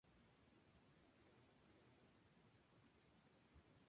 Cabe destacar que su tiempo de duración a la vez, es más corto.